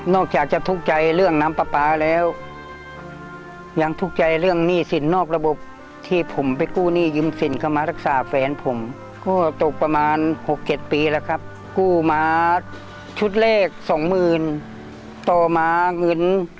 อกจากจะทุกข์ใจเรื่องน้ำปลาปลาแล้วยังทุกข์ใจเรื่องหนี้สินนอกระบบที่ผมไปกู้หนี้ยืมสินเข้ามารักษาแฟนผมก็ตกประมาณ๖๗ปีแล้วครับกู้มาชุดแรกสองหมื่นต่อมาเงิน